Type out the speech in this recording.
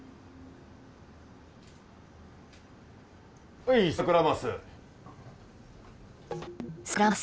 はいサクラマス！